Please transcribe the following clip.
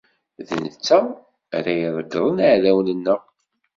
D netta ara irekḍen iɛdawen-nneɣ.